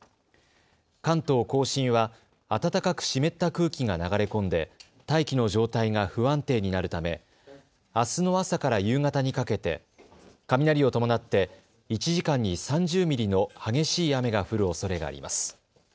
関東甲信は暖かく湿った空気が流れ込んで大気の状態が不安定になるためあすの朝から夕方にかけて雷を伴って１時間に３０ミリの激しい雨が降るおそれがあります。